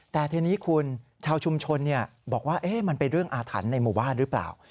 แต่ทีนี้คุณชาวชุมชนบอกว่ามันเป็นเรื่องอาถรรพ์ในหมู่บ้านหรือเปล่า